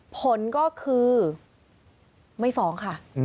ผลก็คือไม่ฟ้องค่ะ